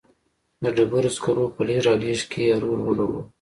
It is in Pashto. د ډبرو سکرو په لېږد رالېږد کې یې رول ولوباوه.